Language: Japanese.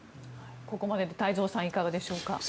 ここまでで太蔵さんいかがでしょうか。